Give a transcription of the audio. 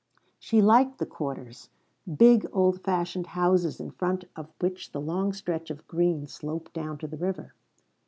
She liked the quarters: big old fashioned houses in front of which the long stretch of green sloped down to the river.